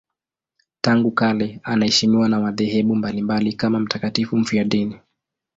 Tangu kale anaheshimiwa na madhehebu mbalimbali kama mtakatifu mfiadini.